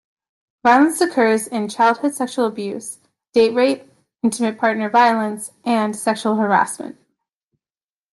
Violence occurs in childhood sexual abuse, date rape, intimate partner violence, and sexual harassment.